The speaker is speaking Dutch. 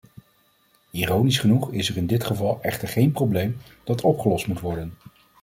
Ironisch genoeg is er in dit geval echter geen probleem dat opgelost moet worden.